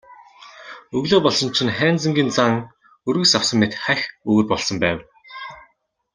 Өглөө болсон чинь Хайнзангийн зан өргөс авсан мэт хахь өөр болсон байв.